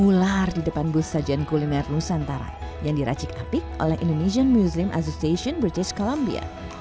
ular di depan bus sajian kuliner nusantara yang diracik apik oleh indonesian museum association british columbia